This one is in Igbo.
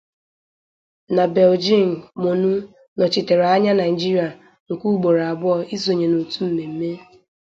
Na Beijing Monu nọchitere anya Naijiria nke ugboro abụọ isonye na otu mmemme.